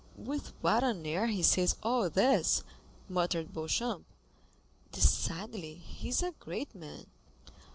"With what an air he says all this," muttered Beauchamp; "decidedly he is a great man."